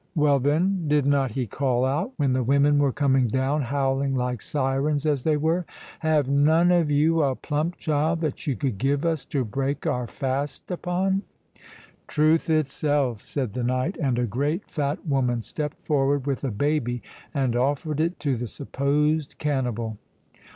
"Well, then, did not he call out, when the women were coming down, howling like sirens as they were—'Have none of you a plump child that you could give us to break our fast upon?'" "Truth itself!" said the knight; "and a great fat woman stepped forward with a baby, and offered it to the supposed cannibal."